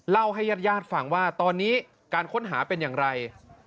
เล่าให้ญาติญาติฟังว่าตอนนี้การค้นหาเป็นอย่างไร